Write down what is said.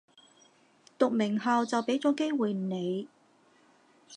讀名校就畀咗機會你